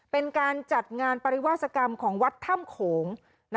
เป็นการจัดงานปริวาสกรรมของวัดถ้ำโขง